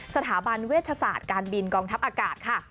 สถาบันเวชศาสตร์การบินกองทัพอากาศค่ะ